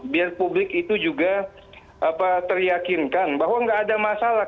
biar publik itu juga teryakinkan bahwa nggak ada masalah